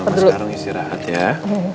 mama sekarang istirahat ya